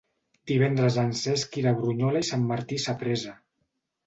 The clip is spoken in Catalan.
Divendres en Cesc irà a Brunyola i Sant Martí Sapresa.